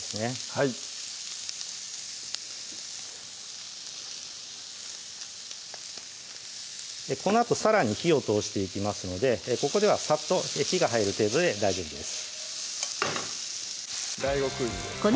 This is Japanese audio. はいこのあとさらに火を通していきますのでここではさっと火が入る程度で大丈夫です